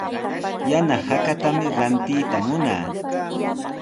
Yana hakatami rantiyta munaa.